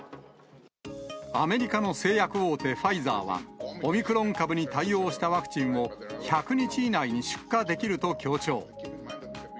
アメリカの製薬大手、ファイザーは、オミクロン株に対応したワクチンを１００日以内に出荷できると強調。